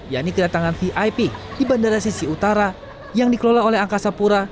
yakni kedatangan vip di bandara sisi utara yang dikelola oleh angkasa pura